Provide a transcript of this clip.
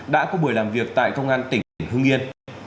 đã có buổi làm việc tại công an tỉnh hưng yên